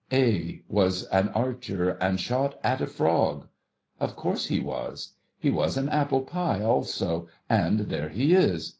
A was an archer, and shot at a frog.' Of course he was. He was an apple pie also, and there he is